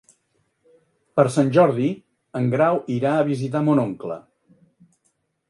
Per Sant Jordi en Grau irà a visitar mon oncle.